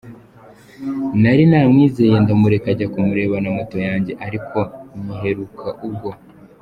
Nari namwizeye ndamureka ajya kumureba na moto yanjye ariko nyiheruka ubwo.